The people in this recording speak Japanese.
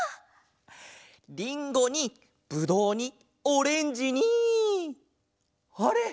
リンゴにブドウにオレンジにあれっ！？